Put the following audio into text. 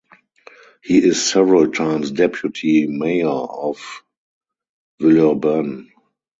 He is several times deputy mayor of Villeurbanne.